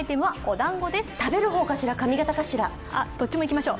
どっちもいきましょう。